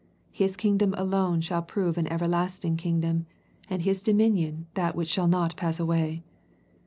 His kingdom alone shall prove an everlasting kingdom, and His dominion that which shall not pass away.